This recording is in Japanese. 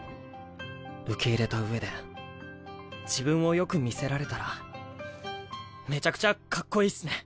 受け入れたうえで自分をよく魅せられたらめちゃくちゃかっこいいっすね。